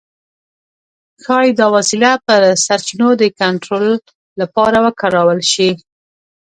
ښايي دا وسیله پر سرچینو د کنټرول لپاره وکارول شي.